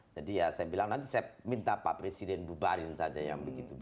jadi ya saya bilang nanti saya minta pak presiden bubarin saja yang begitu begitu